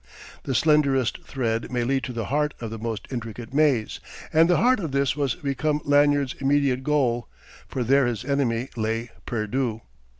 The slenderest thread may lead to the heart of the most intricate maze and the heart of this was become Lanyard's immediate goal, for there his enemy lay perdu.